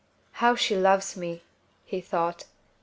"How she loves me!" he thought.